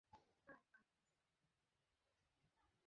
যেন সাক্ষাৎ কুমার, ভবানীর কোল থেকে উঠে এল!